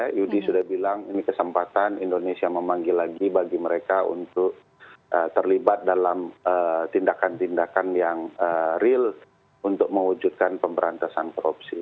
pak yudi sudah bilang ini kesempatan indonesia memanggil lagi bagi mereka untuk terlibat dalam tindakan tindakan yang real untuk mewujudkan pemberantasan korupsi